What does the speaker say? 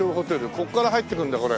ここから入ってくんだこれ。